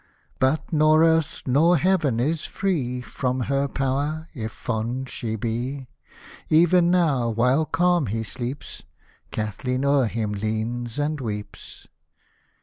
But nor earth nor heaven is free From her power, if fond she be : Even now, while calm he sleeps, Kathleen o'er him leans and weeps.